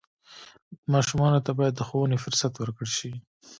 ماشومانو ته باید د ښوونې فرصت ورکړل شي.